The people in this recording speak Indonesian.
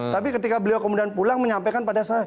tapi ketika beliau kemudian pulang menyampaikan pada saya